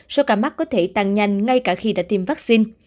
so với cả mắt có thể tăng nhanh ngay cả khi đã tiêm vaccine